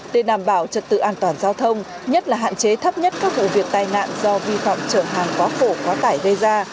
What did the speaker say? để đảm bảo trật tự an toàn giao thông nhất là hạn chế thấp nhất các vụ việc tai nạn do vi phạm trở hàng quá khổ quá tải gây ra